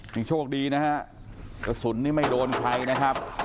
นี่โชคดีนะฮะกระสุนนี่ไม่โดนใครนะครับ